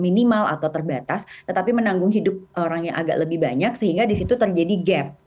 minimal atau terbatas tetapi menanggung hidup orang yang agak lebih banyak sehingga disitu terjadi gap